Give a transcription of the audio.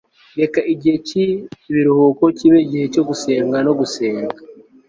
reka iki gihe cyibiruhuko kibe igihe cyo gusenga no gusenga